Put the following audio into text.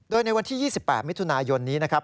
โดยในวันที่๒๘มิถุนายนนี้นะครับ